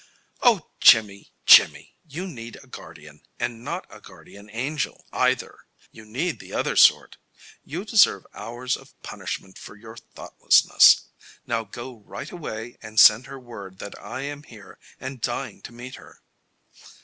"Oh, Jimmy! Jimmy! You need a guardian, and not a guardian angel, either. You need the other sort. You deserve hours of punishment for your thoughtlessness. Now go right away and send her word that I am here and dying to meet her."